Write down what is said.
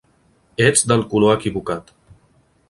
Ets del color equivocat.